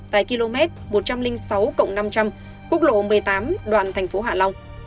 tại km một trăm linh sáu năm trăm linh quốc lộ một mươi tám đoạn tp hạ long